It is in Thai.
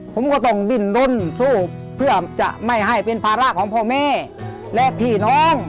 ผมก็ต้องดิ้นรนสู้เพื่อจะไม่ให้เป็นภาระของพ่อแม่และพี่น้อง